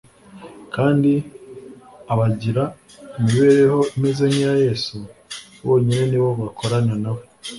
Kandi abagira imibereho imeze nk'iya Yesu bonyine ni bo bakorana na we.